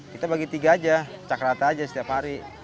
kita bagi tiga aja cak rata aja setiap hari